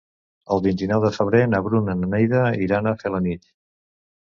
El vint-i-nou de febrer na Bruna i na Neida iran a Felanitx.